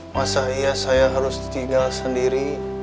masa iya saya harus tinggal sendiri